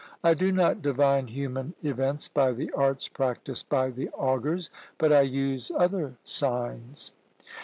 "I do not divine human events by the arts practised by the augurs, but I use other signs."